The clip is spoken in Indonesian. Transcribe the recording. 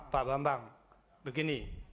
pak bambang begini